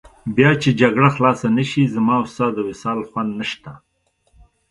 بیا چې جګړه خلاصه نه شي، زما او ستا د وصال خوند نشته.